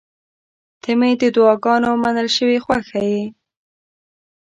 • ته مې د دعاګانو منل شوې خوښه یې.